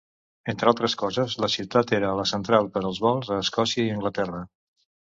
Entre altres coses, la ciutat era la central per als vols a Escòcia i Anglaterra.